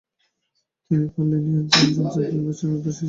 তিনি Carl Linnaeus এবং John James ডিলিমাসকে আদর্শ হিসেবে গ্রহণ করেন।